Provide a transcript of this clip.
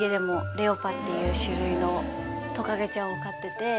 レオパっていう種類のトカゲちゃんを飼ってて。